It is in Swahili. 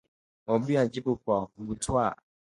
Mumbui alijibu kwa butwaa